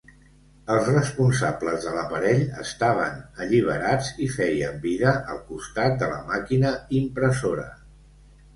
Els responsables de l'aparell estaven alliberats i feien vida al costat de la màquina impressora.